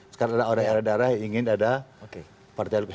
sekarang ada orang daerah daerah yang ingin ada partai lps